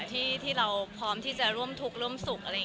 ที่เราพร้อมกันที่จะร่วมทุกข์ร่วมสุข